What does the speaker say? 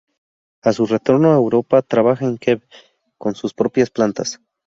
A su retorno a Europa trabaja en Kew con sus propias plantas.